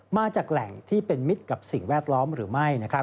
มาจากแหล่งที่เป็นมิตรกับสิ่งแวดล้อมหรือไม่